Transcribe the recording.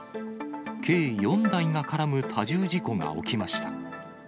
計４台が絡む多重事故が起きました。